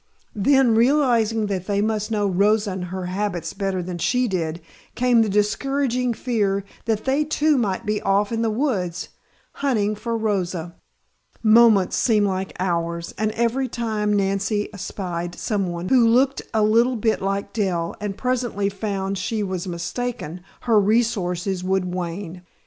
Then, realizing that they must know Rosa and her habits better than she did, came the discouraging fear that they too might be off in the woods hunting for Rosa. Moments seemed like hours, and every time Nancy espied someone who looked a little bit like Dell and presently found she was mistaken, her resources would wane.